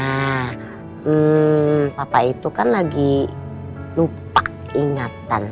nah bapak itu kan lagi lupa ingatan